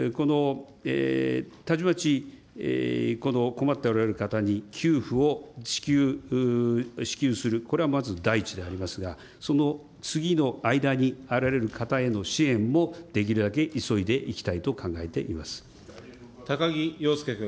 たちまち困っておられる方々に給付を支給する、これはまず第一でありますが、その次の間にあられる方への支援もできるだけ急いでいきたいと考高木陽介君。